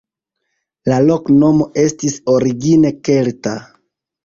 La loknomo estis origine kelta.